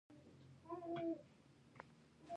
کتاب د زړه تسکین دی.